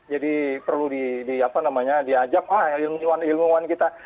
jadi perlu diajak ilmuwan ilmuwan kita